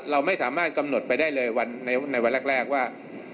เราไม่สามารถกำหนดไปได้เลยในวันแรกว่า